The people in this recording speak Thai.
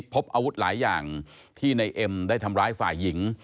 พบอาวุธหลายอย่างที่ในเอ็มได้ทำร้ายฝ่ายหญิง